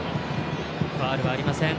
ファウルはありません。